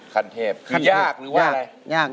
คันเทปคือยากหรือว่าไง